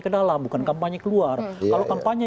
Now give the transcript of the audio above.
ke dalam bukan kampanye keluar kalau kampanye